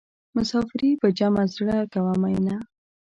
مسافري په جمع زړه کوه مینه.